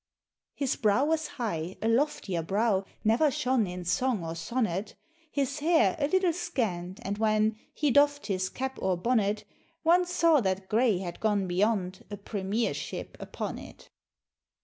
His brow was high, a loftier brow Ne'er shone in song or sonnet, His hair, a little scant, and when He doff'd his cap or bonnet, One saw that Grey had gone beyond A premiership upon it!